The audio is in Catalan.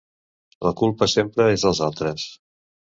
La culpa sempre és dels altres.